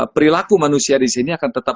perilaku manusia di sini akan tetap